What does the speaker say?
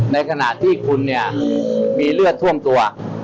ในขณะที่คุณเนี่ยมีเลือดท่วมตัว